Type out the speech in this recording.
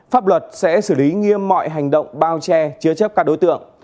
pháp luật sẽ xử lý nghiêm mọi hành động bao che chứa chấp các đối tượng